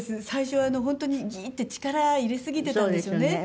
最初本当にギーッて力入れすぎてたんですよね